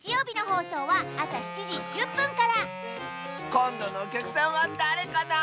こんどのおきゃくさんはだれかな？